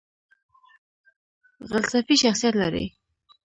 غلسفي شخصیت لري .